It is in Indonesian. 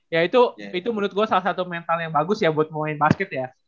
ya itu menurut gue salah satu mental yang bagus ya buat main basket ya